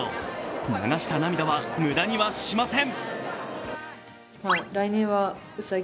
流した涙は無駄にはしません。